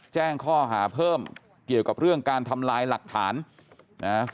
แจ้งข้อหาเพิ่มเกี่ยวกับเรื่องการทำลายหลักฐานนะ